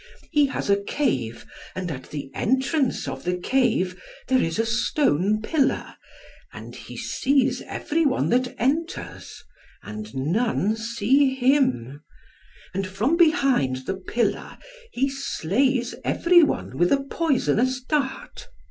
He has a cave, and at the entrance of the cave there is a stone pillar, and he sees every one that enters, and none see him; and from behind the pillar he slays every one with a poisonous dart.